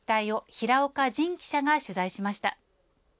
実態を平岡仁記者が取材しました。